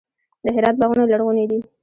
د هرات باغونه لرغوني دي.